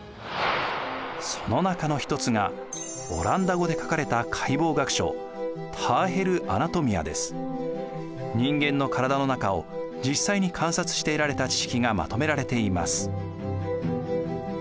その中の一つがオランダ語で書かれた解剖学書人間の体の中を実際に観察して得られた知識がまとめられています。